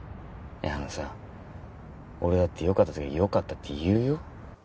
あのさ俺だってよかった時はよかったって言うよ